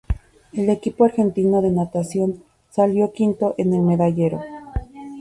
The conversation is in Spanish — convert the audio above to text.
El equipo argentino de natación salió quinto en el medallero.